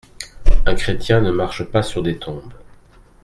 Un chrétien ne marche pas sur des tombes.